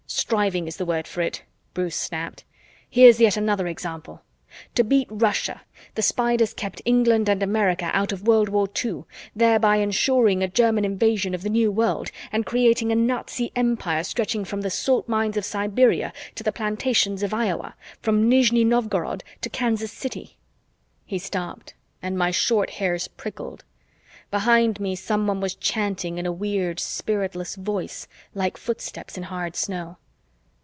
"Striving is the word for it," Bruce snapped. "Here's yet another example. To beat Russia, the Spiders kept England and America out of World War Two, thereby ensuring a German invasion of the New World and creating a Nazi empire stretching from the salt mines of Siberia to the plantations of Iowa, from Nizhni Novgorod to Kansas City!" He stopped and my short hairs prickled. Behind me, someone was chanting in a weird spiritless voice, like footsteps in hard snow.